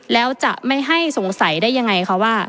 แล้วจะไม่ให้สงสัยได้ยังไงคะว่า